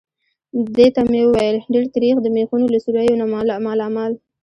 دې ته مې وویل: ډېر تریخ. د مېخونو له سوریو نه مالامال.